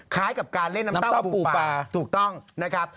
คล้ายกับการเล่นน้ำเต้าหูปลาถูกต้องนะครับ